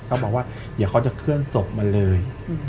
เขาบอกว่าเดี๋ยวเขาจะเคลื่อนศพมาเลย